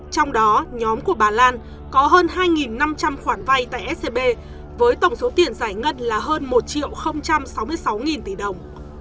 trong đó nhóm của bà lan có hơn hai năm trăm linh khoản vay tại scb với tổng số tiền giải ngân là hơn một sáu mươi sáu tỷ đồng